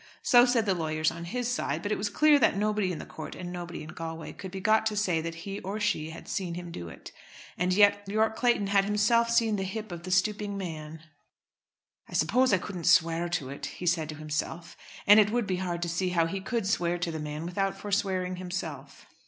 So said the lawyers on his side, but it was clear that nobody in the court and nobody in Galway could be got to say that he or she had seen him do it. And yet Yorke Clayton had himself seen the hip of the stooping man. "I suppose I couldn't swear to it," he said to himself; and it would be hard to see how he could swear to the man without forswearing himself.